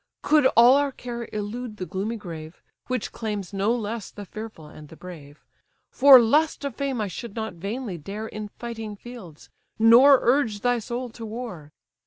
Could all our care elude the gloomy grave, Which claims no less the fearful and the brave, For lust of fame I should not vainly dare In fighting fields, nor urge thy soul to war.